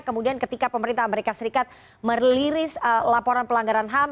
kemudian ketika pemerintah as meliris laporan pelanggaran ham